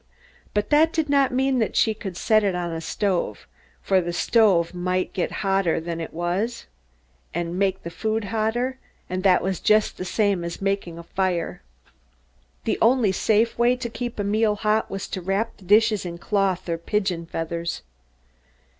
But that did not mean that she could set it on a stove. For the stove might get hotter than it was, and make the food hotter, and that was just the same as making a fire. The only safe way to keep a meal hot was to wrap the dishes in cloth or pigeon feathers.